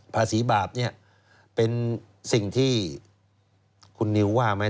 ภาษีบาปเนี่ยเป็นสิ่งที่คุณนิวว่าไหม